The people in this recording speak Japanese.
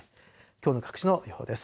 きょうの各地の予報です。